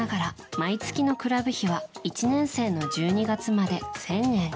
毎月のクラブ費は１年生の１２月まで１０００円。